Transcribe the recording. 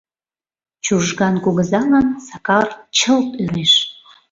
Чужган кугызалан Сакар чылт ӧреш.